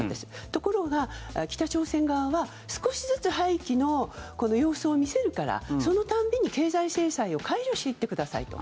ところが、北朝鮮側は少しずつ廃棄の様子を見せるからその度に経済制裁を解除していってくださいと。